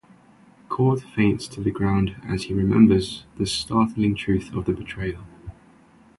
Cort faints to the ground as he remembers the startling truth of the betrayal.